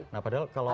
nah padahal kalau